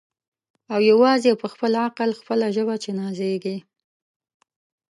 او یوازي په خپل عقل خپله ژبه چي نازیږي